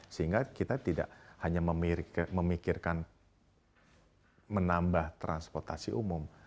sehingga kita tidak hanya memikirkan menambah transportasi umum